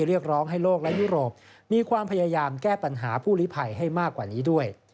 เรียกร้องให้โลกและยุโรปมีความพยายามแก้ปัญหาผู้ลิภัยให้มากกว่านี้ด้วย